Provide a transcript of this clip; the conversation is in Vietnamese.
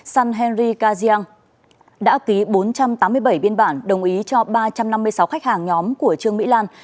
san henry kajian đã ký bốn trăm tám mươi bảy biên bản đồng ý cho ba trăm năm mươi sáu khách hàng nhóm của trương mỹ lan